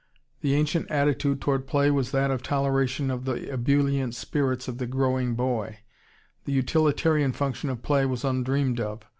The ancient attitude toward play was that of toleration of the ebullient spirits of the growing boy.... The utilitarian function of play was undreamed of.